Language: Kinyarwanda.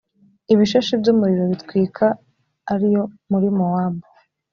ibishashi by’umuriro bitwika ari yo muri mowabu.